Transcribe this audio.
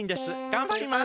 がんばります。